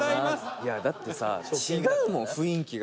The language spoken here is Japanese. いやあだってさ違うもん雰囲気が。